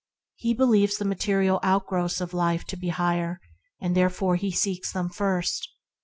He believes the material excrescences of life to be the higher, and therefore seeks them first.